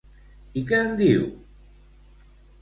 I què en diu?